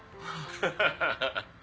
ハハハハ。